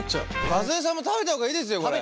和江さんも食べた方がいいですよこれ。